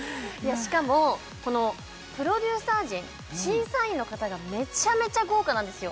しかもこのプロデューサー陣審査員の方がメチャメチャ豪華なんですよ